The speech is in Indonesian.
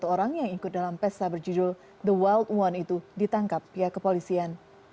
satu ratus empat puluh satu orang yang ikut dalam pesta berjudul the wild one itu ditangkap pihak kepolisian